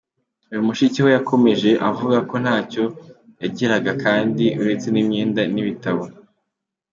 Uyu mushiki we yakomeje avuga ko ntacyo yagiraga kindi uretse imyenda n’ibitabo.